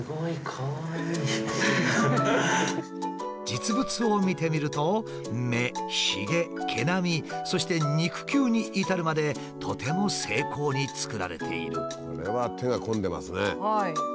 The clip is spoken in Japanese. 実物を見てみると目ひげ毛並みそして肉球に至るまでとても精巧に作られている。